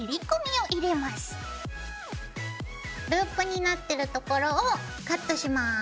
ループになってるところをカットします。